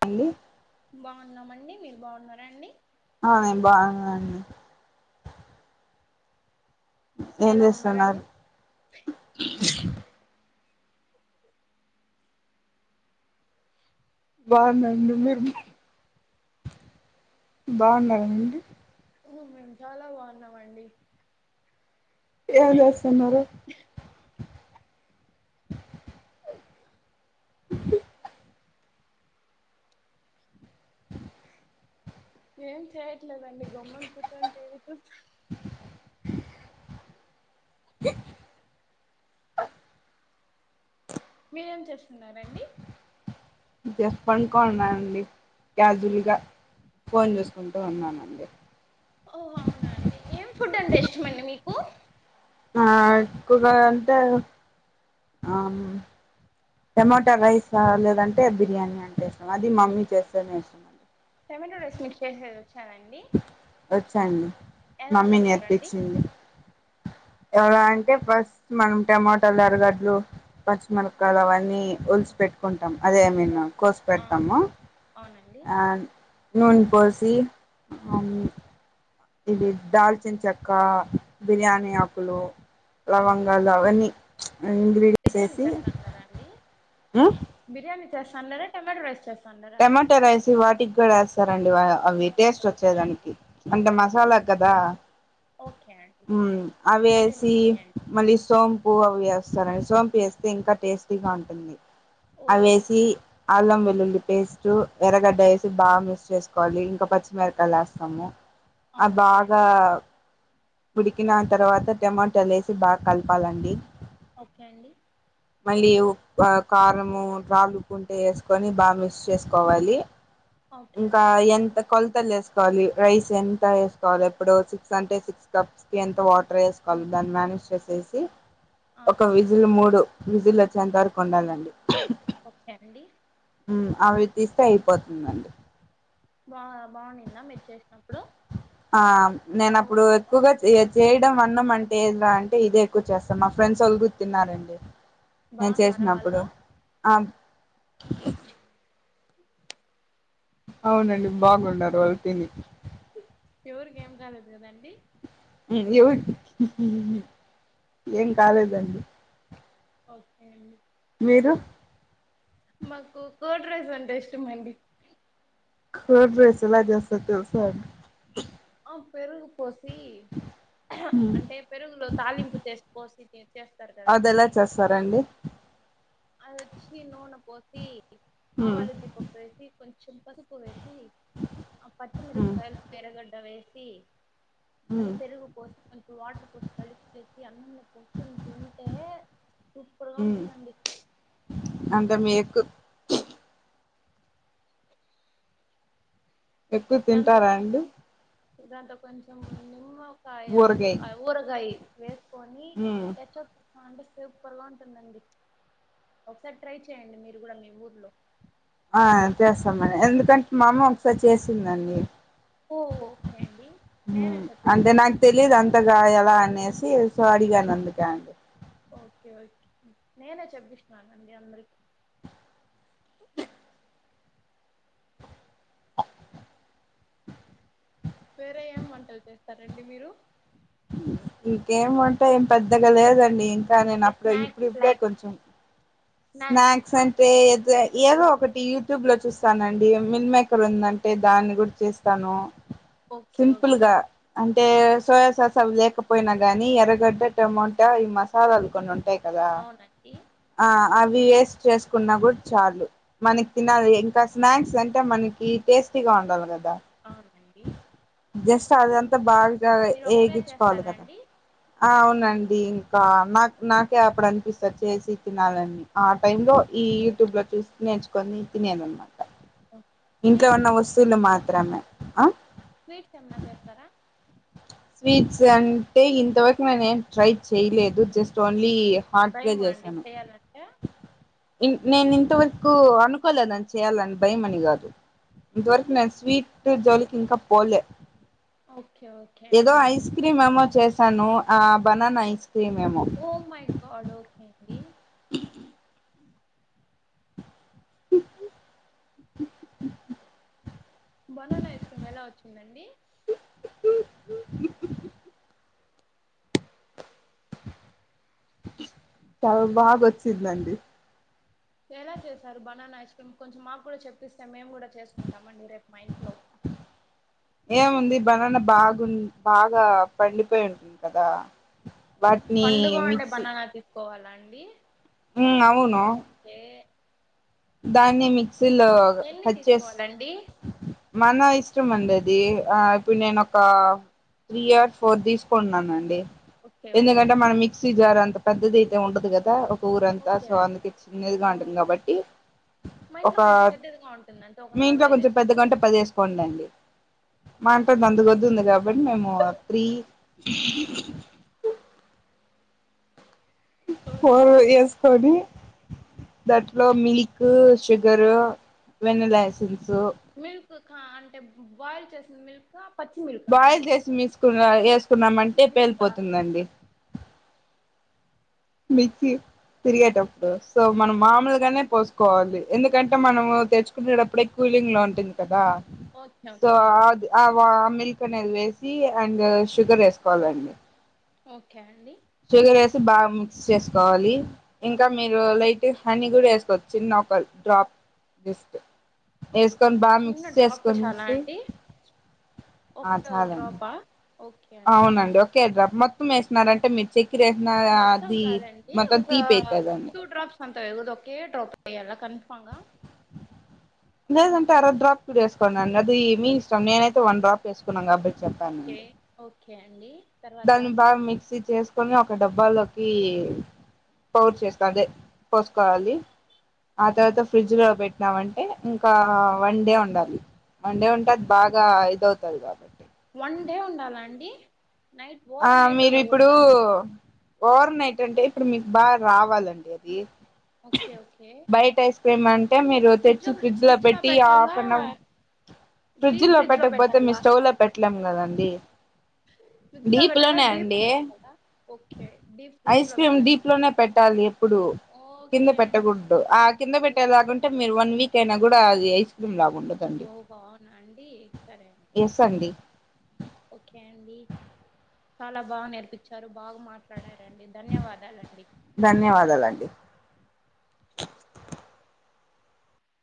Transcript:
పండు బాగున్నామండి మీరు బాగున్నారా అండి అ బాగున్నా అండి ఎలా ఉన్నారండి చేస్తున్నారు బాగుందండి మీరు బాగున్నారండి మీ మేము చాలా బాగున్నావండి ఏం చేస్తున్నారు డి ఏం చేయట్లేదండి గమ్మున కూర్చొని టీవి చూస్త మీరేం చేస్తున్నారండి జస్ట్ పనుకొని ఉన్నా అండి క్యాజువల్ గా ఫోన్ చూసుకుంటూ ఉన్నానండి ఓ అవునా అండి ఏం ఫుడ్ అంటే ఇష్టమండి మీకు నాక్ ఎక్కుగా అంటే ఆ టమోటా రైస్ లేదంటే బిర్యానీ అంటే ఇష్టం అది మమ్మీ చేస్తేనే ఇష్టం అండి టమాట రైస్ మీక్ చేసేది వచ్చానండి వచ్చండి ఎలా మమ్మీ చేస్తారండి నేర్పించింది ఎవలా అంటే ఫస్ట్ మనం టమాోటోలురగడ్లు పచ్చిమిరపకాయలు అవన్నీ ఒలిసిి పెట్టుకుంటా అదే మీన్ ఓకే. కోసు ఆ, పెడతాము అవునండి అండ్ నూన్ పోసి ఇది దాల్చిన్ చెక్క బిర్యానీ ఆకులు మ్మ్. లవంగాలు అవన్ని బిర్యానీ చేస్తాన్నరా అండి బిర్యానీ చేస్తాన్నరా టమాట రైస్ చేస్తన్నరా టమాటో రైస్ వాటికి కూడా వేస్తారండి అవి ఓకే టేస్ట్ ఓకే అండి వచ్చేదానికి అంటే ఓకే ఓకే మసాలా కదా ఓకే అండి అవి కంటిన్యూ ఏసి చేయండి మళ్ళీ అవి సోంపుూ అవసి సోపి వేస్తే ఇంక టేస్టీగ ఉంటుంది ఓహో అవేసి అల్లం వెల్లుల్లి పేస్ట్ ఎర్రగడ్డ వేసి బాగ మిక్స్ చేసుకోవాలి ఇంకా పచ్చిమిరకాయలు వేస్తాము ఆ ఓకే బాగ అండి ఉడికిన తర్వాత టమాటాలు వేసి బాగ కలపాలండి ఓకే అండి మళ్ళీ కారము రాలుుకుంటే వేసుకొని బాగ మిక్స్ చేసుకోవాలి ఓకే ఇంక అండి ఎంత కొల్ త్తలు వేసుకోవాలి రైస్ ఎంత వేసుకోవాలి ఎప్పుడు సిక్స్ అంటే సిక్స్ కప్స్ కి ఎంత వాటర్ టర్ వేసుకోవాలి హ్మ్. దాన్ని హ్మ్. మ్యానేజ్ చేసీసి ఆ ఒక విజిల్ మూడు విజిల్ వచ్చే ఎంత వరకు ఉండాలండి ఓకే అండి అవి తీస్తే అయిపోతుందండి వావ్ ఆ నేను బాగా అప్పుడు వచ్చిందా ఎక్కువగా చే అన్నం అంటే ఎందా అంటే ఇదే ఎక్కువ చేస్తాం మా ఫ్రెండ్స్ వాళ్ళు కూడా తిన్నారండి నేను బాగున్నారా చేసినప్పుడు వాళ్ళు ఆ అవునండి బాగున్నారు వాళ్ళు తిని ఎవురికి ఏమ్ కాలేదు కదండి నీ న్యూడ్ ఏం కాలేదండి ఓకే అండి మీరు? మాకు కోడ్రైస్ అంటే ఇష్టం అండి కోడ్రైస్ ఎలా చేస్తరో చెపుతార ఆ పెరుగు పోసి అంటే పెరుగులో తాలింపు చేసి పోసి తి చేస్తారు అది కదండి ఎలా చేస్తారండి? అది వచ్చి నూనె పోసి ఆవాల ఉద్దిపప్పు వేసి కొంచెం పసుపు పొడి వేసి ఉమ్ పచ్చిమిరపకాయలు ఎరగడ్డ వేసి అలి పెరుగు కోసం కొంచెం వాటర్ కలిపి కలిపేసి అన్నంలోకి వేసుకొని తింటే సూపర్ గా ఉంటుందండి. అంతే మీకు ఎక్కువ తింటారా అండి? దాంట్లో కొంచెం నిమ్మకాయ అయ్ ఊరగాయ వేస్ ఉమ్ అంటే సూపర్గా ఉంటుందండి ఒకసారి ట్రై చేయండి మీరు కూడా మీ ఊర్లో ఆ చేస్తామని ఎందుకంటే మా అమ్మ ఒకసారి చేసిందండి. ఓ ఓకే అండి ఉమ్ నేనే అంతే చెప్పిస్తాను నాకు తెలీదు అంత్ పెత్తగా ఎలా అనేసి సో అడిగానండి క్యా ఓకే ఓకే నేనే చెప్పిస్తున్నానండి అందరికిీ వేరే ఏం వంటలు చేస్తారండి మీరు? ఇంకేం వంటా ఏం పెద్దగా లేదండి ఇంకా నేను అంటే అప్పుడే ఇప్పుడు స్నాక్స్ ఇప్పుడే లైక్ కొంచెం స్నాక్స్ అంటే? ఏదో ఒకటి యూట్యూబ్ లో చూస్తానండి మిల్ మేకర్ ఉందంటే దాన్ని కూడా తీస్తాను ఓకే సింపుల్ ఓకే గా అంటే సోయా సాస్ అవి లేకపోయినా గాని ఎరగడ్డ టమోటా ఈ మసాలాలు కొన్ని ఉంటాయ్ అవునండి. అవి వేస్ చేసుకున్నా కూడా చాలు మనకి తినాలి ఇంకా స్నాక్స్ అంటే మనకి టేస్ట్ టేస్టీగా ఉండాల గదా అవునండి. జస్ట్ అదంతా బాగా అదే మీరు ఒక్కరే వేగచ్చుకోవాలి చేస్తారా కదా అండి ఆ అవునండి ఆ నాక్ నాకే అప్పుడు అనిపిస్తది చేసి తినాలని ఆ టైమ్ లో ఓకే ఈ ఓకే యూట్యూబ్ లో చూస్ నేర్చుకొని తినేది అనమాట ఇంట్లో స్వీట్స్ ఉన్న ఏమన్నా చేస్తారా వస్తువులు మాత్రమే ఆ స్వీట్స్ ఏమన్నా చేస్తారా? స్వీట్స్ అంటే ఇంతవరకు నేను ఏం ట్రై చేయ్లేదు జస్ట్ ఓన్లీ హాట్వే భయమా అండి చేశాను చేయాలంటే ఇన్ నేను ఇంతవర్ నాకు అనుకోలేదని చెయ్యాలని భయమని కాదు ఇంతవరకు నేను స్వీట్ జోలికి ఇంకా పోలే ఓకే ఓకే ఏదో అండి ఐస్ క్రీమ్ ఏమో చేశాను ఆ బనానా ఐస్ క్రీమ్ ఏమో ఓ మై గాడ్ ఓకే అండి బొనాన ఐస్ క్రీం ఎలా వచ్చిందండి చాల్ బాగ వచ్చిందండి ఎలా చేశారు బనానా ఐస్ క్రీమ్ కొంచెం మాకు కూడా చెప్పిస్తే మేము కూడా చేస్ చేసుకుంటామండి రేపు మా ఇంట్లో ఏముంది బనాన బాగుంది బాగా పండిపోయి ఉంటుంది కదా వాటిని మిక్సి కోవాలా అండి మ్మ్ అవును ఓకే దాన్ని మిక్సీలో ఎన్ని కచ్చేస్ తీసుకోవాలండి మన ఇష్టం అండి అది ఆ ఇప్పుడు నేను ఒక త్రీ ఇయా ఫోర్ తిస్ తీసుకుంటున్నానండి ఓకే ఓకే ఎందుకంటే అండి మన మిక్సీ జార్ అంత పెద్దది అయితే ఉండదు కదా కూరంతా ఓకే సో అండి అందుకే ఓ చిన్నదిగా ఉంటుంది కాబట్టి మా ఒక ఇంట్లో కొంచెం పెద్దదిగా ఉంటుందంటే ఒక మీ ఇంట్లో నాలుగైదు కొంచెం పెద్ద గంటే వేసుకోవచ్చు పది వేసుకోండండి మా [unintelligible] కొద్దు ఉంది కాబట్టి మేము ప్రీ ఓకే ఫోన్లు ఓకే చేసుకోని దాంట్లో milk sugar vanilla ice creams milk అంటే బాయిల్ చేసిన మిల్కా బాయిల్ చేసి మిసుకున్న వేసుకున్నామంటే మిల్కా పేలిపోతుందండి మిల్కి తిరిగేటప్పుడు సో మనం మామూలుగానే పోసుకోవాలి ఎందుకంటే మనము తెచ్చుకునేటప్పుడే ఎక్కువ కూలింగ్ లో ఉంటుంది కదా ఓకే సో ఓకే అండి అద్ ఆ వా మీ కొని వెళ్ళేసి అండ్ షుగర్ వేసుకోవాలండి ఓకే అండి షుగర్ వేసి బాగా మిక్స్ చేసుకోవాలి ఇంకా మీరు లైట్ హనీ కూడా వే వేసుకొవచ్చు చిన్న ఒక డ్రాప్ జస్ట్ వేసుకొని బాగా మిక్స్ చిన్న డ్రాప్ చాలా చేసుకొనేసి అండి ఆ ఒకే చాలండి డ్రాపా ఓకే అండి అవునండి ఓకే గమ్మత్ వేసినరంటే [unintelligible] అంటే మీరు చెక్ చెక్కెర వేసినార మొత్తం అది మొత్తం తీపి అయితాది అండి అంతా వేయ్యాకూడదు ఒకే డ్రాప్ అయ్యాల కానీ లేదంటే అర డ్రాప్ వేసుకోండి అది మీ ఇష్టం నేనైతే వన్ డ్రాప్ వేసుకున్నాను కాబట్టి ఓకే చెప్పానండి ఓకే అండి తర్వాత దాన్ని అండి బాగా మిక్సీ చేసు కొన్నిమ ఒక డబ్బాలోకి స్టోర్ చేస్తా అదే పోసుకోవాలి ఆ తర్వాత ఫ్రిడ్జ్ లో పెట్టినామంటే ఇంకా వన్ డే ఉండాలి అన్ని ఉంటాయి బాగా ఇది అవుతాయి కాబట్టి వన్ డే ఉండాలా అండి నైట్ ఆ ఓవర్ నైట్ మీరు ఇప్పుడు ఉండకూడదా ఓవర్ నైట్ అంటే ఇప్పుడు మీకు బాగా రావాలండి అది ఓకే ఓకే బయట ఐస్ క్రీమ్ అంటే మీరు తెచ్చి ఫ్రిడ్జ్ లో పెట్టి హాఫ్ అన్ ఫ్రిడ్జ్ లో పెట్టకపోతే మీ స్టవ్ లో పెట్టలేం కాదండి ఫ్రిడ్జ్ లో పెట్టాలా డీప్ ఫ్రీడ్జ్ లో పెట్టాలా ఓకే డీప్ ఫ్రిడ్జ్ ఐస్ లో క్రీమ్ పెట్టాలా డీప్ అండి లోనే పెట్టాలి ఎప్పుడు కింద ఓకే అండి పెట్టకూడదు ఆ కింద ఓకే పెట్టేలాగ ఉంటే మీరు వన్ వీక్ అయినా కూడా అది ఐస్ క్రీమ్ రాదు ఓ హవునా అండి సరే అండి ఎస్ అండి ఓకే అండి చాలా బాగా నేర్పించారు బాగా మాట్లాడారు ధన్యవాదాలండి